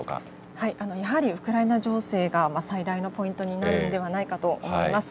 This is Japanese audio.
やはりウクライナ情勢が最大のポイントになるんではないかと思います。